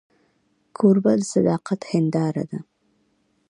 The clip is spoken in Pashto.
کوربه د صداقت هنداره ده.